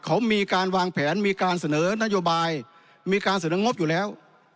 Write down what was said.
เขามีการวางแผนมีการเสนอนโยบายมีการเสนองบอยู่แล้ว